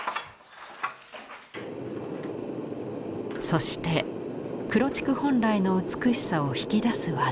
そして黒竹本来の美しさを引き出す技。